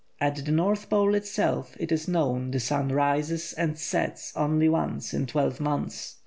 At the North Pole itself it is known the sun rises and sets only once in twelve months.